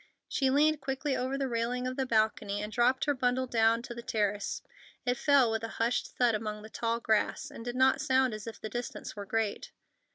She leaned quickly over the railing of the balcony and dropped her bundle down to the terrace. It fell with a hushed thud among the tall grass, and did not sound as if the distance were great.